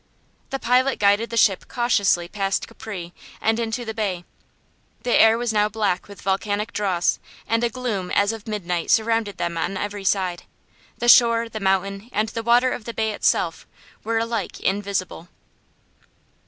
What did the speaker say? The pilot guided the ship cautiously past Capri and into the bay. The air was now black with volcanic dross and a gloom as of midnight surrounded them on every side. The shore, the mountain and the water of the bay itself were alike invisible.